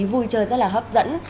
vui chơi rất là hấp dẫn